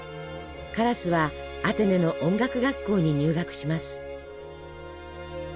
カラスはアテネの音楽学校に入学します。